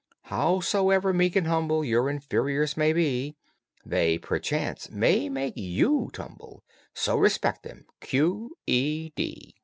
Howsoever meek and humble Your inferiors may be, They perchance may make you tumble, So respect them. Q. E.